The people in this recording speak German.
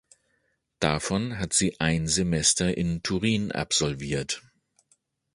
Davon hat sie ein Semester in Turin absolviert.